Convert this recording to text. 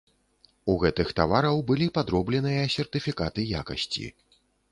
У гэтых тавараў былі падробленыя сертыфікаты якасці.